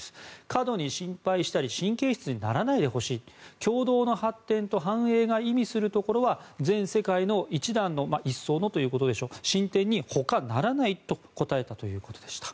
過度に心配したり神経質にならないでほしい共同の発展と繁栄が意味するところは全世界の一段の一層のということでしょう進展にほかならないと答えたということでした。